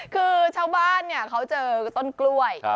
คือชาวบ้านเขาเจอต้นกล้วย